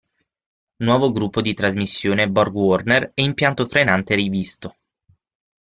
Nuovo gruppo di trasmissione Borg Warner e impianto frenante rivisto.